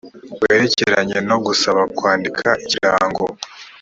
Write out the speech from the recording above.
werekeranye no gusaba kwandika ikirango